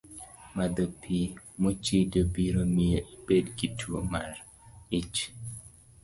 Madho pi mochido biro miyo ibed gi tuwo mar ich